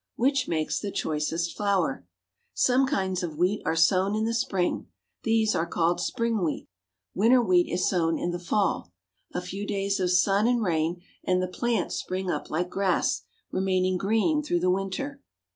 Which makes the choicest flour? Some kinds of wheat are sown in the spring. These are called spring wheat. Winter wheat is sown in the fall. A few days of sun and rain, and the plants spring up like grass, remaining green through the winter.